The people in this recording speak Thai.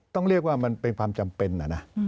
ต้องเรียกว่ามันเป็นความจำเป็นนะ